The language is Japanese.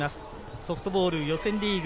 ソフトボール予選リーグ